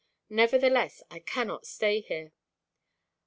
Nevertheless, I cannot stay here."